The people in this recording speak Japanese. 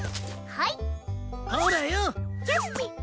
はい。